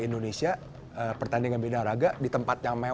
noloh gelisampel jahit semakin halus lebih kemaskuh